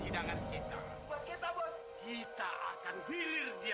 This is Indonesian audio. biar biar lari ke langit